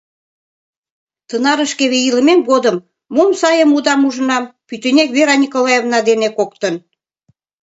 Тынарышкеве илымем годым мом сайым-удам ужынам — пӱтынек Вера Николаевна дене коктын.